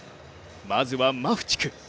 まずはマフチク。